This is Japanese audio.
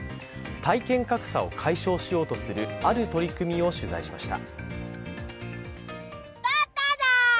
体験格差を解消しようとするある取り組みを取材しました。